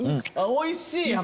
あっおいしい！